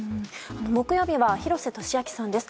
木曜日は廣瀬俊朗さんです。